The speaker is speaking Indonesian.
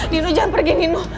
nino jangan pergi nino